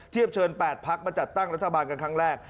เทียบเชิญ๘พักมาจัดตั้งรัฐบาลกันครั้งแรก